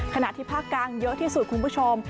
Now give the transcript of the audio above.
ขณะที่ภาคกลางเยอะที่สุดคุณผู้ชม